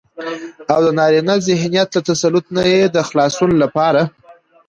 او دنارينه ذهنيت له تسلط نه يې د خلاصون لپاره